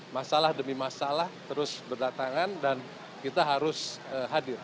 masalah demi masalah terus berdatangan dan kita harus hadir